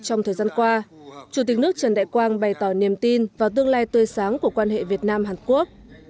trong thời gian qua chủ tịch nước trần đại quang bày tỏ niềm tin vào tương lai tươi sáng của quan hệ việt nam hàn quốc